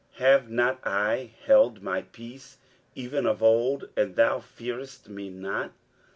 have not I held my peace even of old, and thou fearest me not?